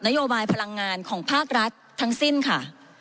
โยบายพลังงานของภาครัฐทั้งสิ้นค่ะ